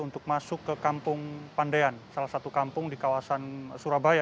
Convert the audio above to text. untuk masuk ke kampung pandaian salah satu kampung di kawasan surabaya